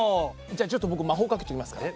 じゃあちょっと僕魔法かけときますね。